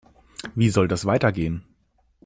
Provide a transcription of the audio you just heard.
Wie soll das weitergehen?